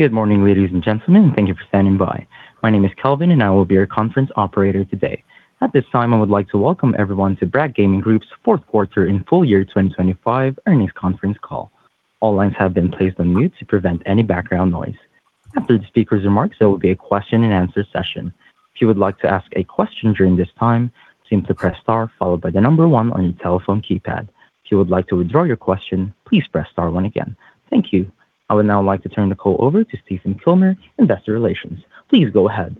Good morning ladies and gentlemen. Thank you for standing by. My name is Kelvin, and I will be your conference operator today. At this time, I would like to welcome everyone to Bragg Gaming Group's fourth quarter and full year 2025 earnings conference call. All lines have been placed on mute to prevent any background noise. After the speaker's remarks, there will be a question-and-answer session. If you would like to ask a question during this time, simply press star followed by the number one on your telephone keypad. If you would like to withdraw your question, please press star one again. Thank you. I would now like to turn the call over to Stephen Kilmer, Investor Relations. Please go ahead.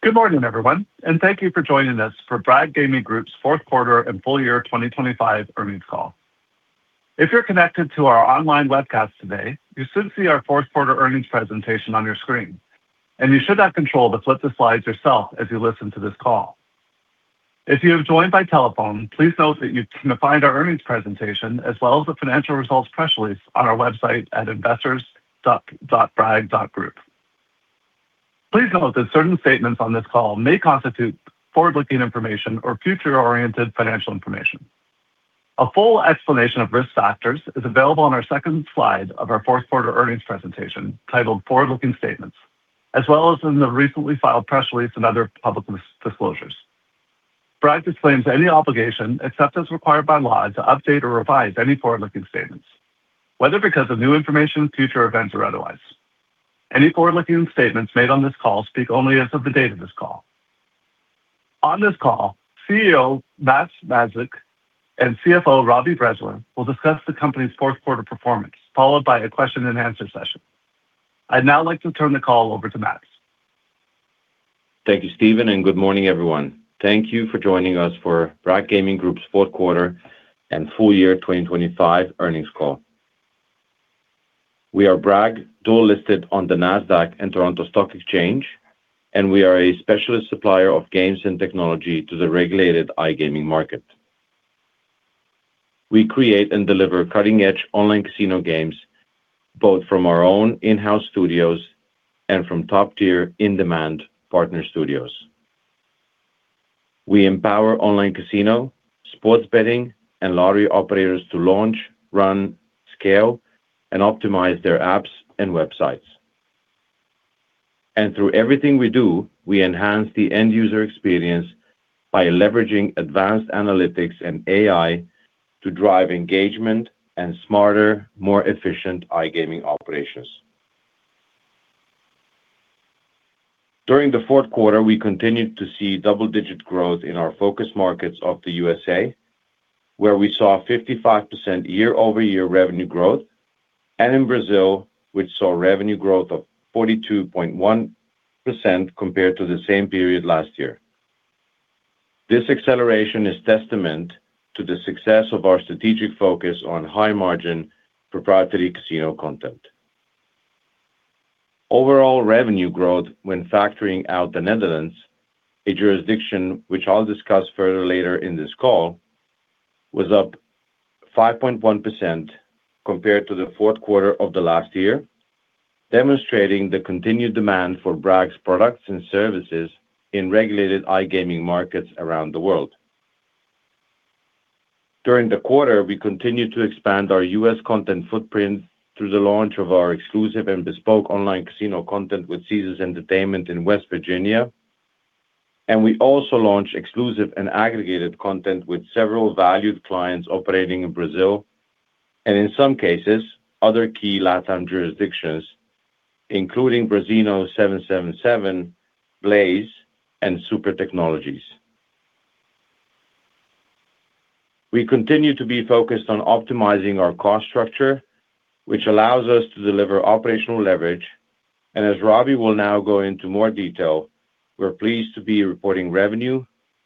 Good morning everyone and thank you for joining us for Bragg Gaming Group's fourth quarter and full year 2025 earnings call. If you're connected to our online webcast today, you should see our fourth quarter earnings presentation on your screen, and you should have control to flip the slides yourself as you listen to this call. If you have joined by telephone, please note that you can find our earnings presentation as well as the financial results press release on our website at investors.bragg.group. Please note that certain statements on this call may constitute forward-looking information or future-oriented financial information. A full explanation of risk factors is available on our 2nd slide of our fourth quarter earnings presentation titled Forward-Looking Statements, as well as in the recently filed press release and other public disclosures. Bragg disclaims any obligation, except as required by law, to update or revise any forward-looking statements, whether because of new information, future events, or otherwise. Any forward-looking statements made on this call speak only as of the date of this call. On this call, CEO Matevž Mazij and CFO Robbie Bressler will discuss the company's fourth quarter performance, followed by a question-and-answer session. I'd now like to turn the call over to Matevž. Thank you Stephen and good morning everyone. Thank you for joining us for Bragg Gaming Group's fourth quarter and full year 2025 earnings call. We are Bragg, dual listed on the Nasdaq and Toronto Stock Exchange, and we are a specialist supplier of games and technology to the regulated iGaming market. We create and deliver cutting-edge online casino games, both from our own in-house studios and from top-tier in-demand partner studios. We empower online casino, sports betting, and lottery operators to launch, run, scale, and optimize their apps and websites. Through everything we do, we enhance the end-user experience by leveraging advanced analytics and AI to drive engagement and smarter, more efficient iGaming operations. During the fourth quarter, we continued to see double-digit growth in our focus markets of the USA, where we saw 55% year-over-year revenue growth, and in Brazil, which saw revenue growth of 42.1% compared to the same period last year. This acceleration is testament to the success of our strategic focus on high-margin proprietary casino content. Overall revenue growth when factoring out the Netherlands, a jurisdiction which I'll discuss further later in this call, was up 5.1% compared to the fourth quarter of the last year, demonstrating the continued demand for Bragg's products and services in regulated iGaming markets around the world. During the quarter, we continued to expand our U.S. Content footprint through the launch of our exclusive and bespoke online casino content with Caesars Entertainment in West Virginia. We also launched exclusive and aggregated content with several valued clients operating in Brazil and, in some cases, other key LatAm jurisdictions, including Brazino777, Blaze, and Super Technologies. We continue to be focused on optimizing our cost structure, which allows us to deliver operational leverage. As Robbie will now go into more detail, we're pleased to be reporting revenue,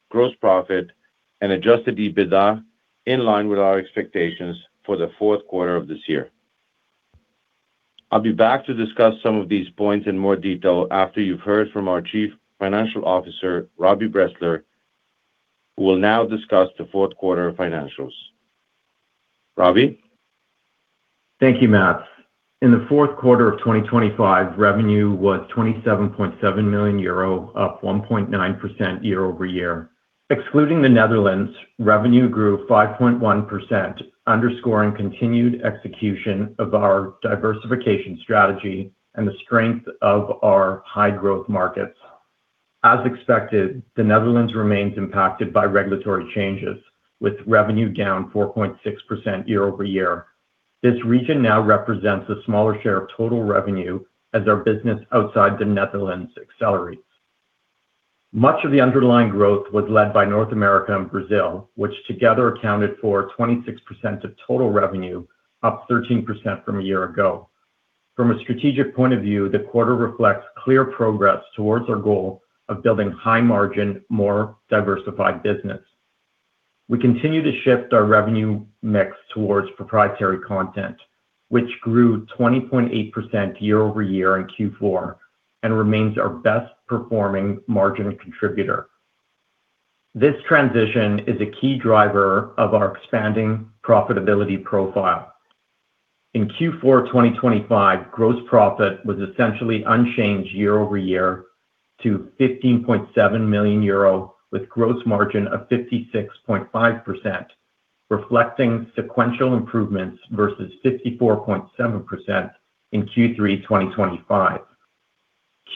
gross profit, and Adjusted EBITDA in line with our expectations for the fourth quarter of this year. I'll be back to discuss some of these points in more detail after you've heard from our Chief Financial Officer, Robbie Bressler, who will now discuss the fourth quarter financials. Robbie? Thank you Matevž. In the fourth quarter of 2025, revenue was 27.7 million euro, up 1.9% year-over-year. Excluding the Netherlands, revenue grew 5.1%, underscoring continued execution of our diversification strategy and the strength of our high-growth markets. As expected, the Netherlands remains impacted by regulatory changes, with revenue down 4.6% year-over-year. This region now represents a smaller share of total revenue as our business outside the Netherlands accelerates. Much of the underlying growth was led by North America and Brazil, which together accounted for 26% of total revenue, up 13% from a year ago. From a strategic point of view, the quarter reflects clear progress towards our goal of building high-margin, more diversified business. We continue to shift our revenue mix towards proprietary content, which grew 20.8% year-over-year in Q4 and remains our best-performing margin contributor. This transition is a key driver of our expanding profitability profile. In Q4 2025, gross profit was essentially unchanged year-over-year to 15.7 million euro with gross margin of 56.5%, reflecting sequential improvements versus 54.7% in Q3 2025.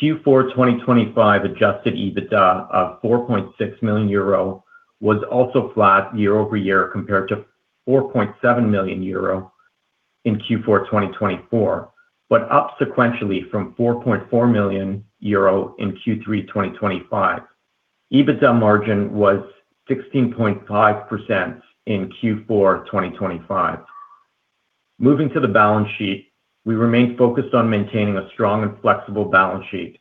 Q4 2025 Adjusted EBITDA of 4.6 million euro was also flat year-over-year compared to 4.7 million euro in Q4 2024, but up sequentially from 4.4 million euro in Q3 2025. EBITDA margin was 16.5% in Q4 2025. Moving to the balance sheet, we remain focused on maintaining a strong and flexible balance sheet.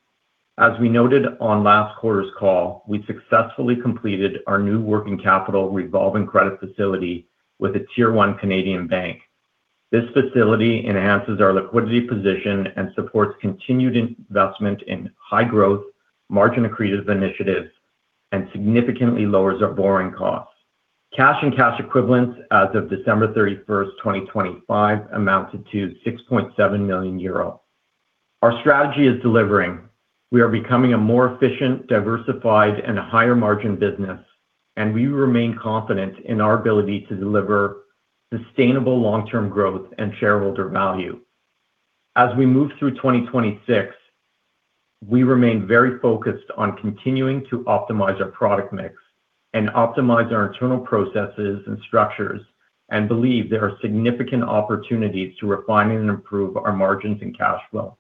As we noted on last quarter's call, we successfully completed our new working capital revolving credit facility with a tier-one Canadian bank. This facility enhances our liquidity position and supports continued investment in high-growth, margin-accretive initiatives and significantly lowers our borrowing costs. Cash and cash equivalents as of December 31st, 2025 amounted to 6.7 million euro. Our strategy is delivering. We are becoming a more efficient, diversified, and higher-margin business, and we remain confident in our ability to deliver sustainable long-term growth and shareholder value. As we move through 2026, we remain very focused on continuing to optimize our product mix and optimize our internal processes and structures and believe there are significant opportunities to refine and improve our margins and cash flow.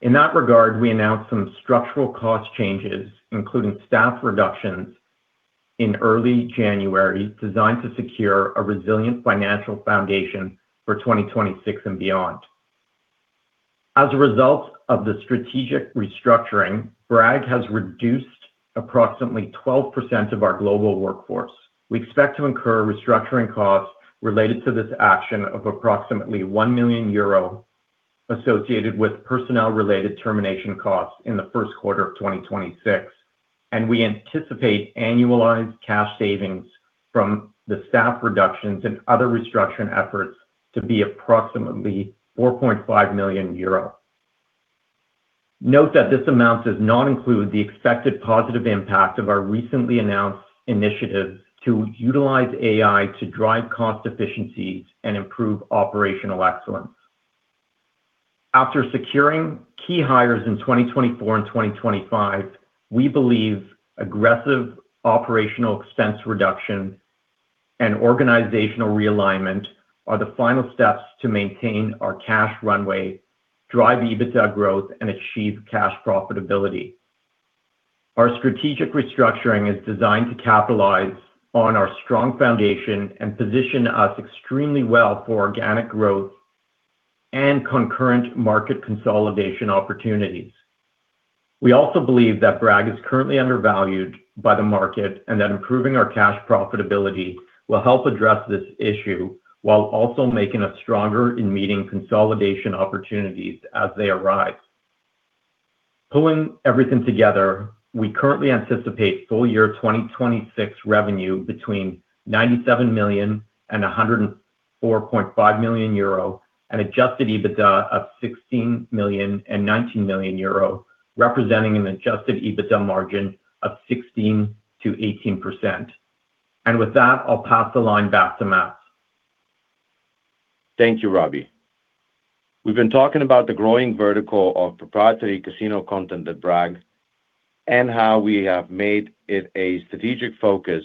In that regard, we announced some structural cost changes, including staff reductions in early January, designed to secure a resilient financial foundation for 2026 and beyond. As a result of the strategic restructuring, Bragg has reduced approximately 12% of our global workforce. We expect to incur restructuring costs related to this action of approximately 1 million euro associated with personnel-related termination costs in the first quarter of 2026, and we anticipate annualized cash savings from the staff reductions and other restructuring efforts to be approximately 4.5 million euro. Note that this amount does not include the expected positive impact of our recently announced initiatives to utilize AI to drive cost efficiencies and improve operational excellence. After securing key hires in 2024 and 2025, we believe aggressive operational expense reduction and organizational realignment are the final steps to maintain our cash runway, drive EBITDA growth, and achieve cash profitability. Our strategic restructuring is designed to capitalize on our strong foundation and position us extremely well for organic growth and concurrent market consolidation opportunities. We also believe that Bragg is currently undervalued by the market and that improving our cash profitability will help address this issue while also making us stronger in meeting consolidation opportunities as they arise. Pulling everything together, we currently anticipate full year 2026 revenue between 97 million and 104.5 million euro and Adjusted EBITDA of 16 million and 19 million euro, representing an Adjusted EBITDA margin of 16%-18%. With that, I'll pass the line back to Matevž Mazij. Thank you Robbie. We've been talking about the growing vertical of proprietary casino content at Bragg and how we have made it a strategic focus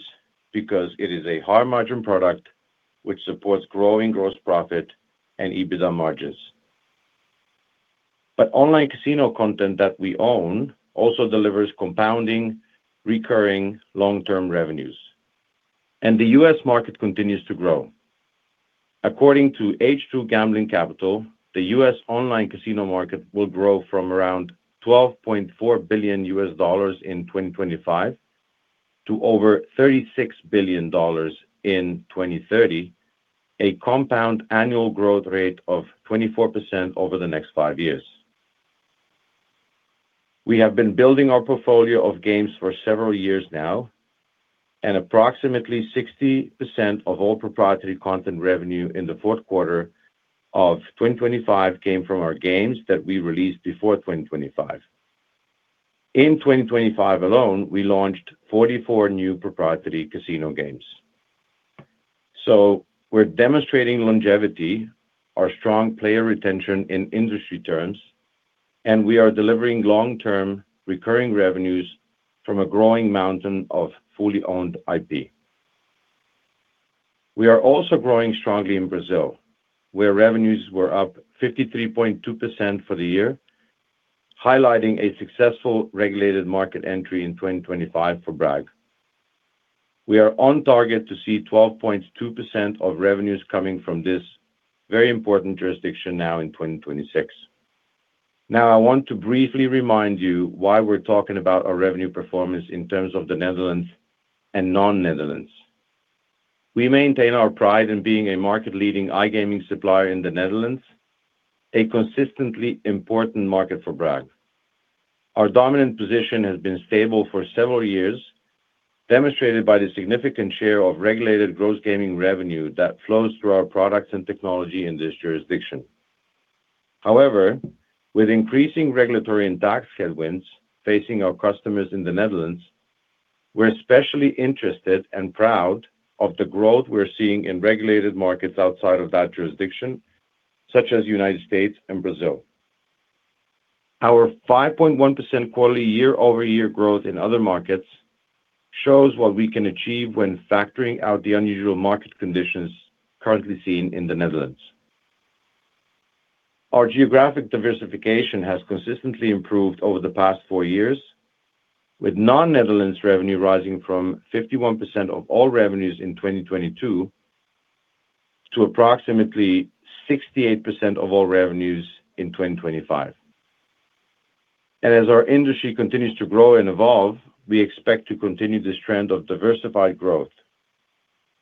because it is a high-margin product which supports growing gross profit and EBITDA margins. Online casino content that we own also delivers compounding, recurring long-term revenues, and the U.S. market continues to grow. According to H2 Gambling Capital, the U.S. online casino market will grow from around $12.4 billion in 2025 to over $36 billion in 2030, a compound annual growth rate of 24% over the next five years. We have been building our portfolio of games for several years now, and approximately 60% of all proprietary content revenue in the fourth quarter of 2025 came from our games that we released before 2025. In 2025 alone, we launched 44 new proprietary casino games. We're demonstrating longevity, our strong player retention in industry terms, and we are delivering long-term recurring revenues from a growing mountain of fully-owned IP. We are also growing strongly in Brazil, where revenues were up 53.2% for the year, highlighting a successful regulated market entry in 2025 for Bragg. We are on target to see 12.2% of revenues coming from this very important jurisdiction now in 2026. Now, I want to briefly remind you why we're talking about our revenue performance in terms of the Netherlands and non-Netherlands. We maintain our pride in being a market-leading iGaming supplier in the Netherlands, a consistently important market for Bragg. Our dominant position has been stable for several years. Demonstrated by the significant share of regulated gross gaming revenue that flows through our products and technology in this jurisdiction. However, with increasing regulatory and tax headwinds facing our customers in the Netherlands, we're especially interested and proud of the growth we're seeing in regulated markets outside of that jurisdiction, such as United States and Brazil. Our 5.1% quarterly year-over-year growth in other markets shows what we can achieve when factoring out the unusual market conditions currently seen in the Netherlands. Our geographic diversification has consistently improved over the past 4 years, with non-Netherlands revenue rising from 51% of all revenues in 2022 to approximately 68% of all revenues in 2025. As our industry continues to grow and evolve, we expect to continue this trend of diversified growth.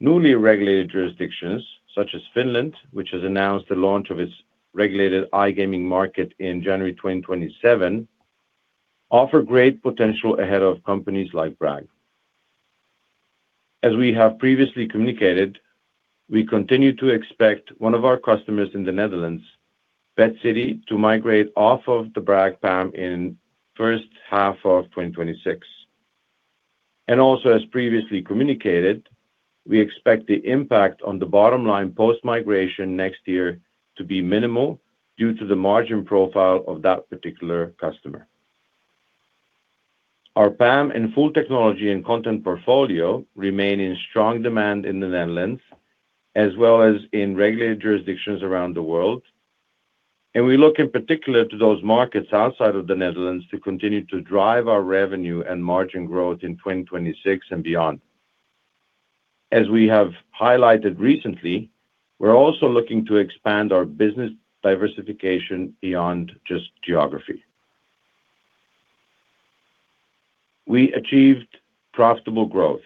Newly regulated jurisdictions, such as Finland, which has announced the launch of its regulated iGaming market in January 2027, offer great potential ahead of companies like Bragg. As we have previously communicated, we continue to expect one of our customers in the Netherlands, BetCity, to migrate off of the Bragg PAM in first half of 2026. As previously communicated, we expect the impact on the bottom line post-migration next year to be minimal due to the margin profile of that particular customer. Our PAM and full technology and content portfolio remain in strong demand in the Netherlands as well as in regulated jurisdictions around the world. We look in particular to those markets outside of the Netherlands to continue to drive our revenue and margin growth in 2026 and beyond. As we have highlighted recently, we're also looking to expand our business diversification beyond just geography. We achieved profitable growth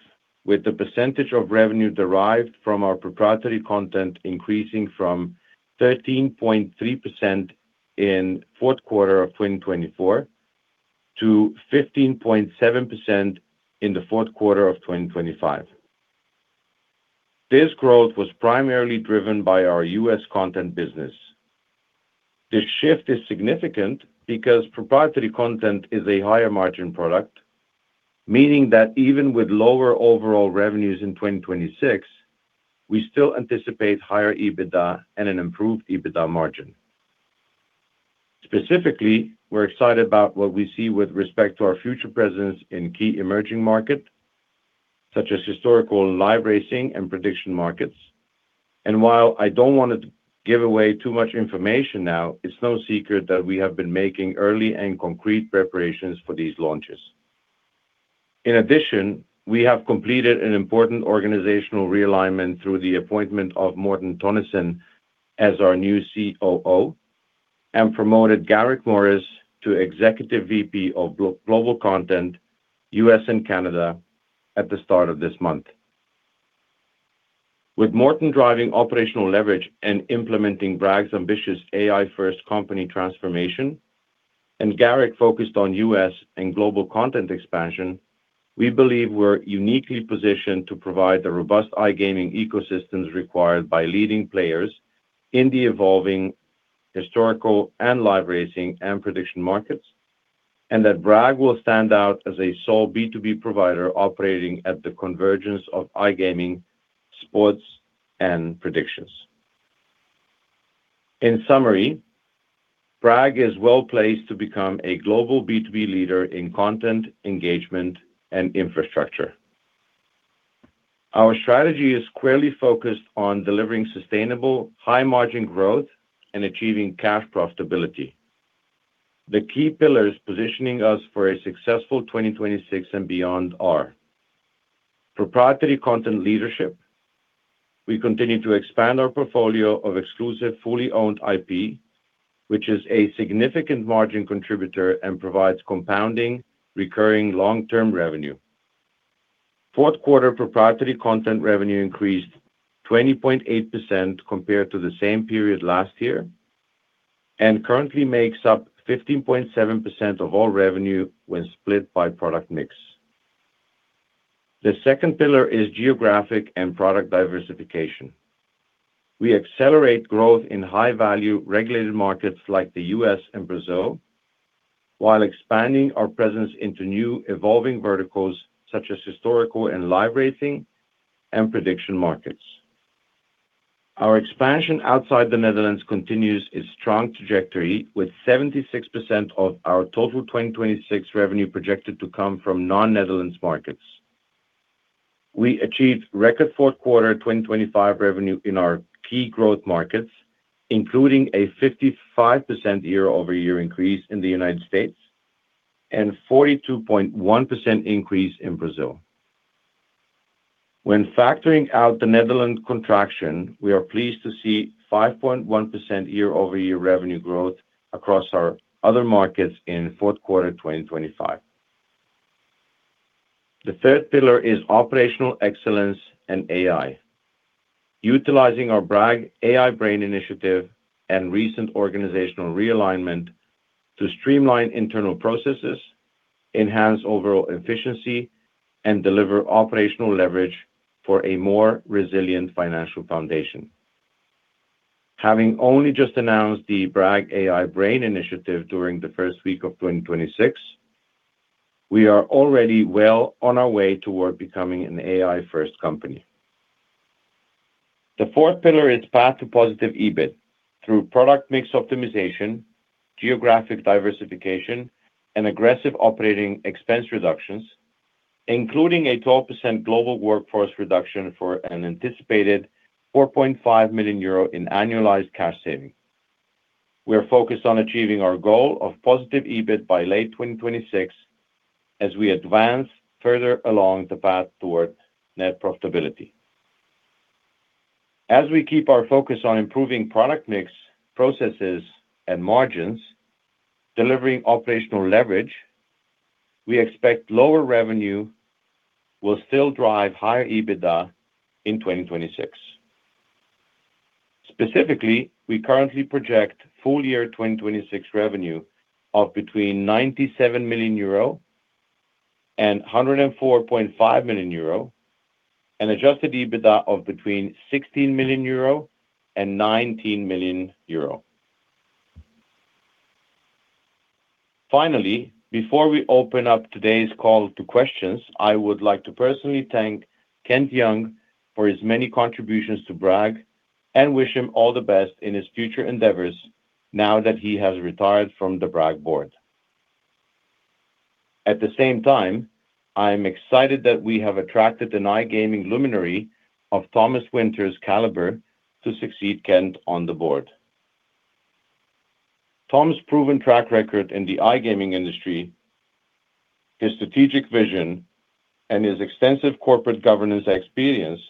with the percentage of revenue derived from our proprietary content increasing from 13.3% in fourth quarter of 2024 to 15.7% in the fourth quarter of 2025. This growth was primarily driven by our U.S. content business. This shift is significant because proprietary content is a higher margin product, meaning that even with lower overall revenues in 2026, we still anticipate higher EBITDA and an improved EBITDA margin. Specifically, we're excited about what we see with respect to our future presence in key emerging markets, such as historical live racing and prediction markets. While I don't want to give away too much information now, it's no secret that we have been making early and concrete preparations for these launches. In addition, we have completed an important organizational realignment through the appointment of Morten Tonnesen as our new COO and promoted Garrick Morris to Executive VP of Global Content, U.S. and Canada at the start of this month. With Morten driving operational leverage and implementing Bragg's ambitious AI-first company transformation and Garrick focused on U.S. and global content expansion, we believe we're uniquely positioned to provide the robust iGaming ecosystems required by leading players in the evolving historical and live racing and prediction markets, and that Bragg will stand out as a sole B2B provider operating at the convergence of iGaming, sports, and predictions. In summary, Bragg is well-placed to become a global B2B leader in content, engagement, and infrastructure. Our strategy is squarely focused on delivering sustainable, high-margin growth and achieving cash profitability. The key pillars positioning us for a successful 2026 and beyond are proprietary content leadership. We continue to expand our portfolio of exclusive, fully owned IP, which is a significant margin contributor and provides compounding, recurring long-term revenue. Fourth quarter proprietary content revenue increased 20.8% compared to the same period last year and currently makes up 15.7% of all revenue when split by product mix. The second pillar is geographic and product diversification. We accelerate growth in high-value regulated markets like the U.S. and Brazil, while expanding our presence into new evolving verticals such as historical and live racing and prediction markets. Our expansion outside the Netherlands continues its strong trajectory with 76% of our total 2026 revenue projected to come from non-Netherlands markets. We achieved record fourth quarter 2025 revenue in our key growth markets, including a 55% year-over-year increase in the United States and 42.1% increase in Brazil. When factoring out the Netherlands contraction, we are pleased to see 5.1% year-over-year revenue growth across our other markets in fourth quarter 2025. The third pillar is operational excellence and AI. Utilizing our Bragg AI Brain Initiative and recent organizational realignment to streamline internal processes, enhance overall efficiency, and deliver operational leverage for a more resilient financial foundation. Having only just announced the Bragg AI Brain Initiative during the first week of 2026, we are already well on our way toward becoming an AI-first company. The fourth pillar is path to positive EBIT through product mix optimization, geographic diversification, and aggressive operating expense reductions, including a 12% global workforce reduction for an anticipated 4.5 million euro in annualized cash savings. We are focused on achieving our goal of positive EBIT by late 2026 as we advance further along the path toward net profitability. As we keep our focus on improving product mix, processes, and margins, delivering operational leverage, we expect lower revenue will still drive higher EBITDA in 2026. Specifically, we currently project full year 2026 revenue of between 97 million euro and 104.5 million euro and Adjusted EBITDA of between 16 million euro and 19 million euro. Finally, before we open up today's call to questions, I would like to personally thank Kent Young for his many contributions to Bragg and wish him all the best in his future endeavors now that he has retired from the Bragg board. At the same time, I'm excited that we have attracted an iGaming luminary of Thomas Winter's caliber to succeed Kent on the board. Thomas's proven track record in the iGaming industry, his strategic vision, and his extensive corporate governance experience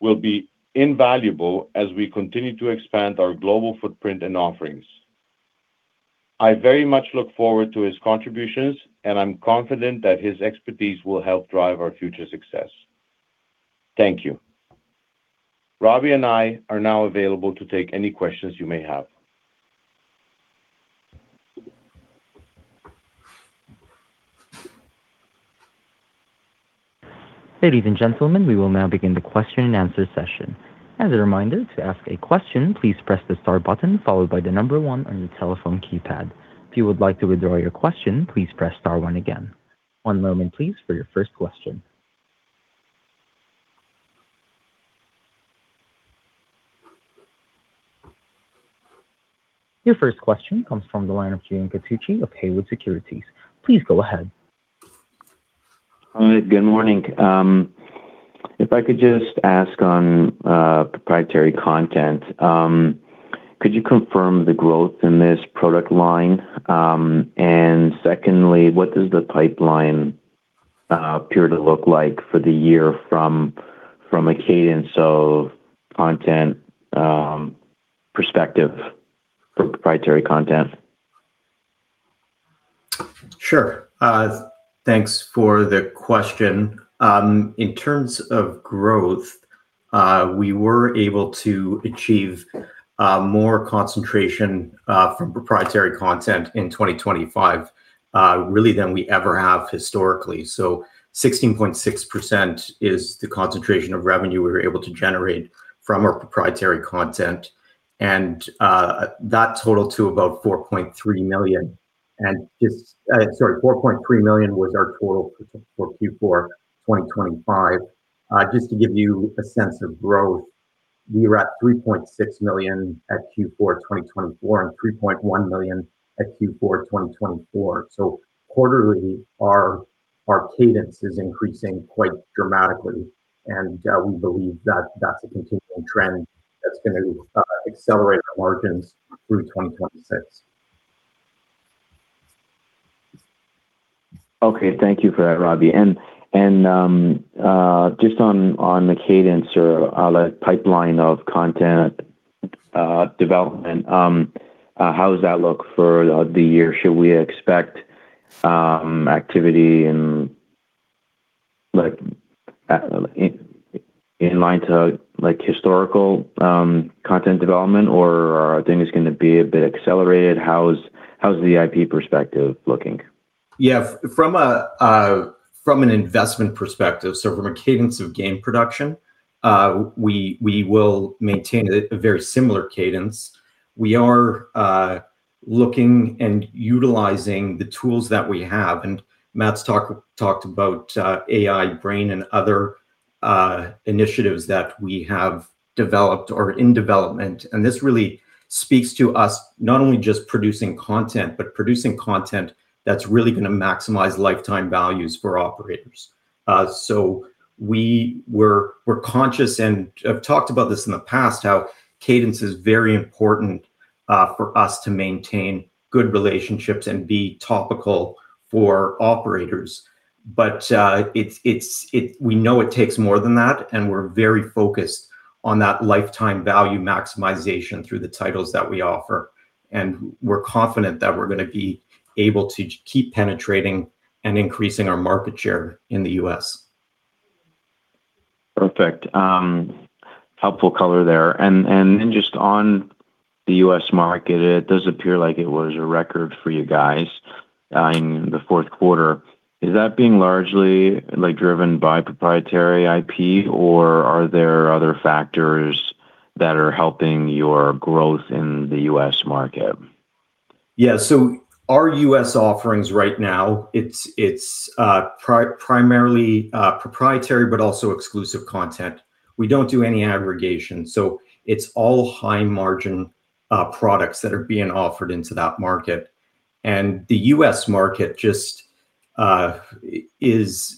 will be invaluable as we continue to expand our global footprint and offerings. I very much look forward to his contributions, and I'm confident that his expertise will help drive our future success. Thank you. Robbie and I are now available to take any questions you may have. Ladies and gentlemen, we will now begin the question and answer session. As a reminder, to ask a question, please press the star button followed by the number one on your telephone keypad. If you would like to withdraw your question, please press star one again. One moment please for your first question. Your first question comes from the line of Julian Catucci of Haywood Securities. Please go ahead. All right good morning. If I could just ask on proprietary content, could you confirm the growth in this product line? Secondly, what does the pipeline appear to look like for the year from a cadence of content perspective for proprietary content? Sure thanks for the question. In terms of growth, we were able to achieve more concentration from proprietary content in 2025, really than we ever have historically. 16.6% Is the concentration of revenue we were able to generate from our proprietary content, and that totaled to about 4.3 million. 4.3 million was our total for Q4 2025. Just to give you a sense of growth, we were at 3.6 million at Q4 2024 and 3.1 million at Q4 2024. Quarterly, our cadence is increasing quite dramatically, and we believe that that's a continuing trend that's gonna accelerate our margins through 2026. Okay thank you for that Robbie. Just on the cadence or on a pipeline of content development, how does that look for the year? Should we expect activity in like in line to like historical content development, or are things gonna be a bit accelerated? How's the IP perspective looking? Yeah. From an investment perspective, so from a cadence of game production, we will maintain a very similar cadence. We are looking and utilizing the tools that we have. Matevž's talked about AI Brain and other initiatives that we have developed or in development. This really speaks to us not only just producing content, but producing content that's really gonna maximize lifetime values for operators. We're conscious, and I've talked about this in the past, how cadence is very important for us to maintain good relationships and be topical for operators. But we know it takes more than that, and we're very focused on that lifetime value maximization through the titles that we offer. We're confident that we're gonna be able to keep penetrating and increasing our market share in the U.S. Perfect. Helpful color there. Just on the U.S. market, it does appear like it was a record for you guys in the fourth quarter. Is that being largely, like, driven by proprietary IP, or are there other factors that are helping your growth in the U.S. market? Yeah. Our U.S. offerings right now, it's primarily proprietary, but also exclusive content. We don't do any aggregation, so it's all high margin products that are being offered into that market. The U.S. market just is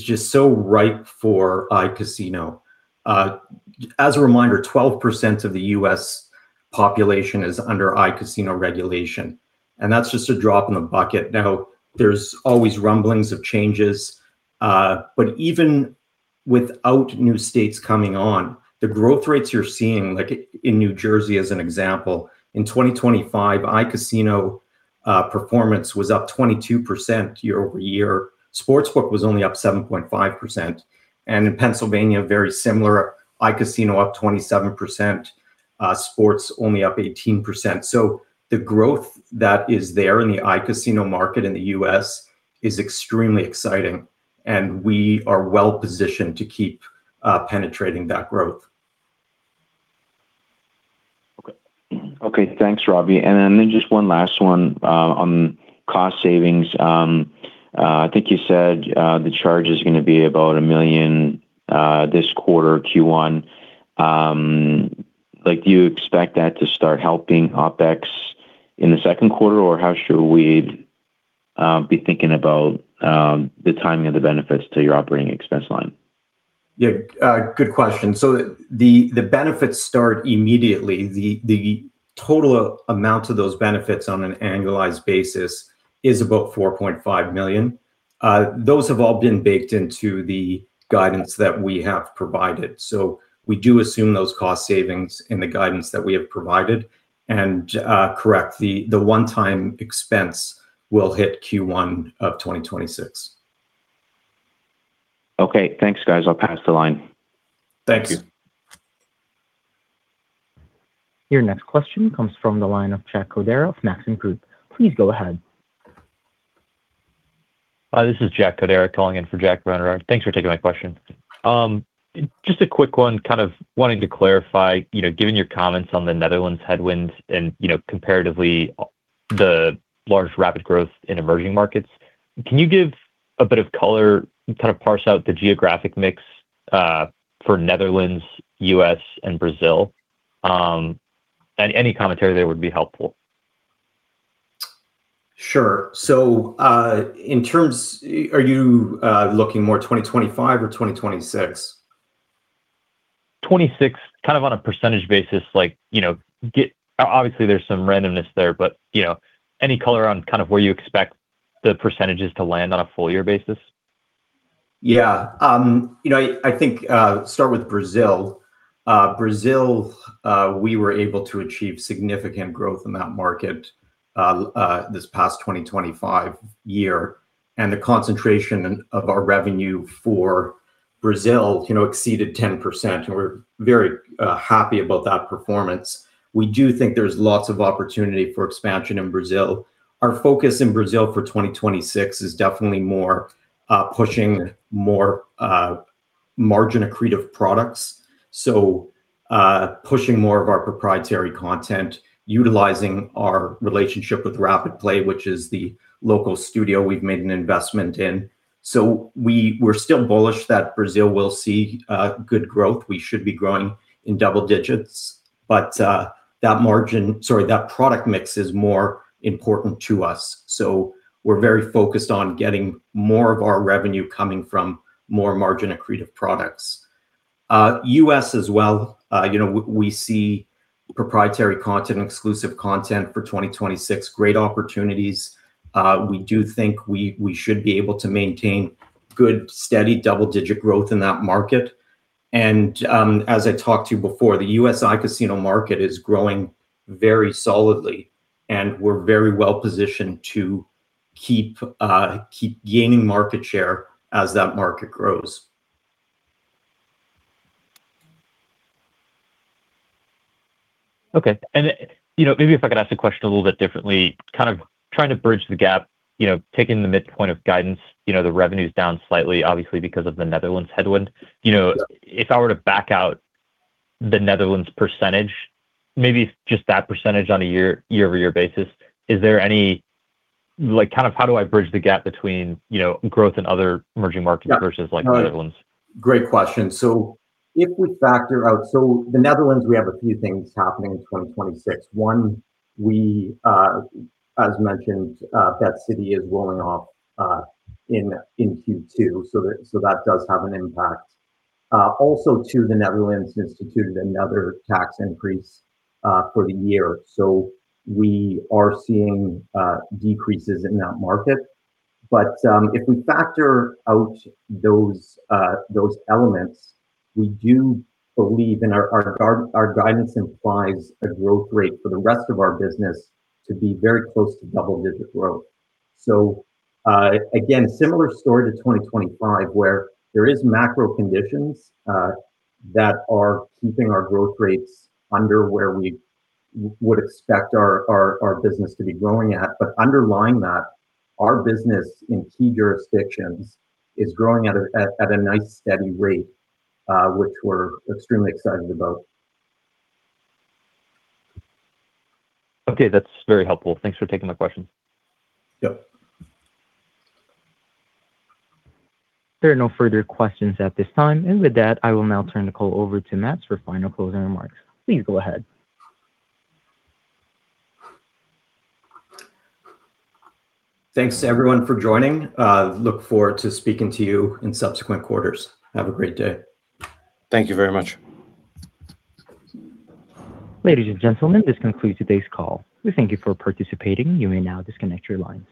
just so ripe for iCasino. As a reminder, 12% of the U.S. population is under iCasino regulation, and that's just a drop in the bucket. Now, there's always rumblings of changes, but even without new states coming on, the growth rates you're seeing, like in New Jersey, as an example, in 2025, iCasino performance was up 22% year-over-year. Sportsbook was only up 7.5%. In Pennsylvania, very similar, iCasino up 27%, sportsbook only up 18%. The growth that is there in the iCasino market in the U.S. is extremely exciting, and we are well-positioned to keep penetrating that growth. Okay thanks Robbie. Just one last one on cost savings. I think you said the charge is gonna be about 1 million this quarter, Q1. Like, do you expect that to start helping OpEx in the second quarter, or how should we be thinking about the timing of the benefits to your operating expense line? Yeah good question. The benefits start immediately. The total amount of those benefits on an annualized basis is about 4.5 million. Those have all been baked into the guidance that we have provided. We do assume those cost savings in the guidance that we have provided. Correct, the one-time expense will hit Q1 of 2026. Okay thanks guys. I'll pass the line. Thank you. Your next question comes from the line of Jack Cordera of Maxim Group. Please go ahead. This is Jack Cordera calling in for Jack Brenner. Thanks for taking my question. Just a quick one, kind of wanting to clarify, you know, given your comments on the Netherlands headwinds and, you know, comparatively the large rapid growth in emerging markets, can you give a bit of color and kind of parse out the geographic mix for Netherlands, U.S., and Brazil? Any commentary there would be helpful. Sure. Are you looking more 2025 or 2026? 26%, kind of on a percentage basis, like, you know, obviously, there's some randomness there, but, you know, any color on kind of where you expect the percentages to land on a full year basis? Yeah. You know, I think start with Brazil. Brazil, we were able to achieve significant growth in that market, this past 2025 year. The concentration of our revenue for Brazil, you know, exceeded 10%, and we're very happy about that performance. We do think there's lots of opportunity for expansion in Brazil. Our focus in Brazil for 2026 is definitely more pushing more margin accretive products. So, pushing more of our proprietary content, utilizing our relationship with RapidPlay, which is the local studio we've made an investment in. So we're still bullish that Brazil will see good growth. We should be growing in double digits. But that margin. Sorry, that product mix is more important to us. We're very focused on getting more of our revenue coming from more margin accretive products. U.S. as well, we see proprietary content, exclusive content for 2026. Great opportunities. We do think we should be able to maintain good, steady double-digit growth in that market. As I talked to you before, the U.S. iCasino market is growing very solidly, and we're very well-positioned to keep gaining market share as that market grows. Okay. You know, maybe if I could ask the question a little bit differently, kind of trying to bridge the gap, you know, taking the midpoint of guidance, you know, the revenue's down slightly, obviously, because of the Netherlands headwind. You know. Yeah If I were to back out the Netherlands percentage, maybe just that percentage on a year-over-year basis, is there any like, kind of how do I bridge the gap between, you know, growth in other emerging markets? Yeah. All right. versus like Netherlands? Great question. If we factor out the Netherlands, we have a few things happening in 2026. One, as mentioned, BetCity is rolling off in Q2, so that does have an impact. Also, the Netherlands instituted another tax increase for the year, so we are seeing decreases in that market. If we factor out those elements, we do believe, and our guidance implies a growth rate for the rest of our business to be very close to double-digit growth. Again, similar story to 2025, where there are macro conditions that are keeping our growth rates under where we would expect our business to be growing at. Underlying that, our business in key jurisdictions is growing at a nice, steady rate, which we're extremely excited about. Okay that's very helpful. Thanks for taking the question. Yep. There are no further questions at this time. With that, I will now turn the call over to Matevž for final closing remarks. Please go ahead. Thanks everyone for joining. Look forward to speaking to you in subsequent quarters. Have a great day. Thank you very much. Ladies and gentlemen this concludes today's call. We thank you for participating. You may now disconnect your line.